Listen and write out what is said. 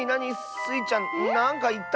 スイちゃんなんかいった？